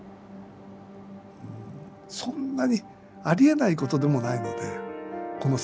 そんなにありえないことでもないのでこの世界。